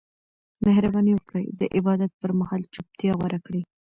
مهرباني وکړئ د عبادت پر مهال چوپتیا غوره کړئ.